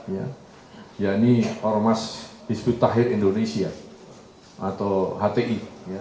ya ini ormas disput tahrir indonesia atau hti